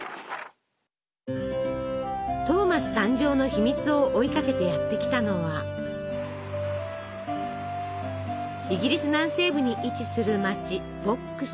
トーマス誕生の秘密を追いかけてやって来たのはイギリス南西部に位置する町ボックス。